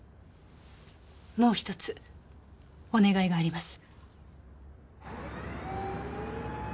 もうひとつお願いがあります。